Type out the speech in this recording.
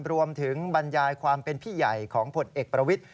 บรรยายความเป็นพี่ใหญ่ของผลเอกประวิทธิ